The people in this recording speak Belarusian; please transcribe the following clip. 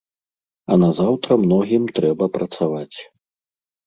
А назаўтра многім трэба працаваць.